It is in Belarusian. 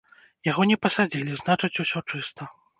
Яго не пасадзілі, значыць, усё чыста.